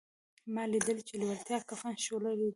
ما ليدلي چې لېوالتیا کفن شلولی دی.